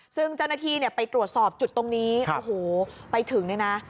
ซึ่งเจ้าหน้าที่เนี่ยไปตรวจสอบจุดตรงนี้โอ้โหไปถึงเนี่ยนะ